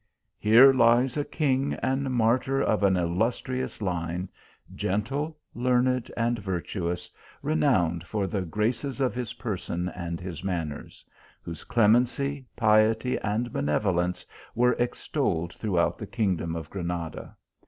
" Here lies a king and martyr of an illustrious line , gentle, learned and virtuous ; renowned for the graces of his person and his manners ; whose clemency, piety, and benevolence, were extolled throughout the kingdom of Granada.